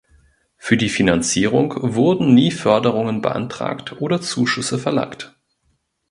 Für die Finanzierung wurden nie Förderungen beantragt oder Zuschüsse verlangt.